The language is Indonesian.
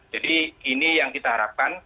jadi ini yang kita harapkan